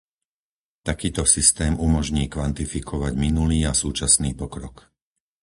Takýto systém umožní kvantifikovať minulý a súčasný pokrok.